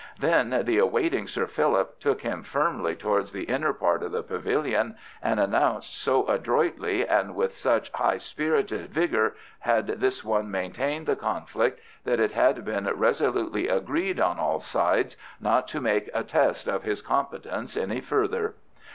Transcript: Then the awaiting Sir Philip took him firmly towards the inner part of the pavilion, and announced, so adroitly and with such high spirited vigour had this one maintained the conflict, that it had been resolutely agreed on all sides not to make a test of his competence any further.